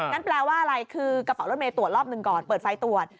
แปลว่าอะไรคือกระเป๋ารถเมย์ตรวจรอบหนึ่งก่อนเปิดไฟตรวจ